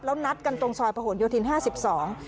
แล้วนัดกันตรงซอยผ่วนโยธิน๕๒